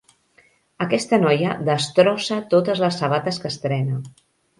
Aquesta noia destrossa totes les sabates que estrena.